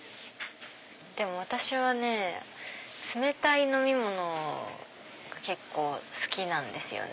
でも私はね冷たい飲み物が結構好きなんですよね。